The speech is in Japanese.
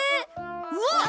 うわっ！